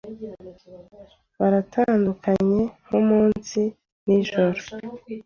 Baratandukanye nkumunsi nijoro.